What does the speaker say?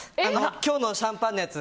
今日のシャンパンのやつ